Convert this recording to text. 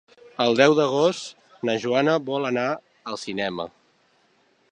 El deu d'agost na Joana vol anar al cinema.